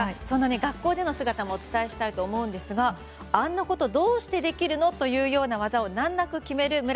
そんな学校での姿もお伝えしたいと思うんですがあんなことどうしてできるの？という技を難なく決める